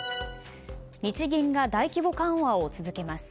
日銀が大規模緩和を続けます。